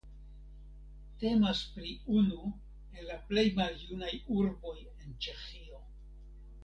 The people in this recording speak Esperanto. Temas pri unu el la plej maljunaj urboj en Ĉeĥio.